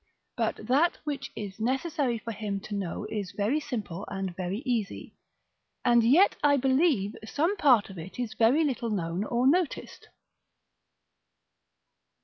But that which is necessary for him to know is very simple and very easy; and yet, I believe, some part of it is very little known, or noticed.